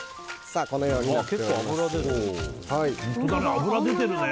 脂出てるね！